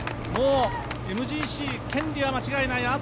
もう、ＭＧＣ権利は間違いない。